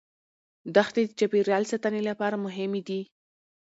دښتې د چاپیریال ساتنې لپاره مهمې دي.